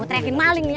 bu teriakin maling nih